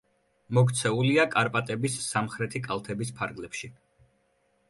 მოქცეულია კარპატების სამხრეთი კალთების ფარგლებში.